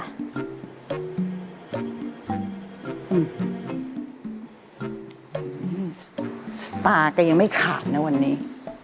อืมสตาก็ยังไม่ขาดนะวันนี้